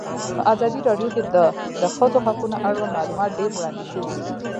په ازادي راډیو کې د د ښځو حقونه اړوند معلومات ډېر وړاندې شوي.